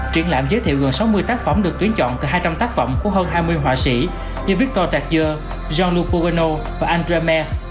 truyện lãm giới thiệu gần sáu mươi tác phẩm được tuyến chọn từ hai trăm linh tác phẩm của hơn hai mươi họa sĩ như victor tartier jean luc pogonel và andré mec